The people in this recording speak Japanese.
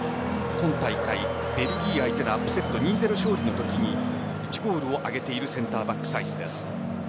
今大会、ベルギー相手に２−０、勝利のときに１ゴールを挙げているセンターバック・サイスです。